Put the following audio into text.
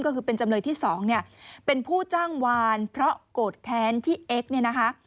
ก็คือเป็นจำเลยที่๒เป็นผู้จ้างวานเพราะโกรธแทนที่เอ็กซ์